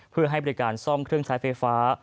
เพื่อให้บริการซ่อมเครื่องใช้ไฟฟ้า